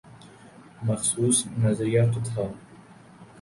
مخصوص نظریہ تو تھا۔